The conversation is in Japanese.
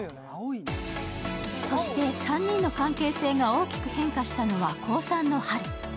そして３人の関係性が大きく変化したのは高３の春。